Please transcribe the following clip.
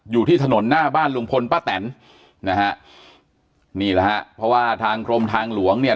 อยู่ที่ถนนหน้าบ้านลุงพลป้าแตนนะฮะนี่แหละฮะเพราะว่าทางกรมทางหลวงเนี่ย